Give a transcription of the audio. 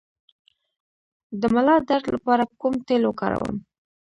د ملا درد لپاره کوم تېل وکاروم؟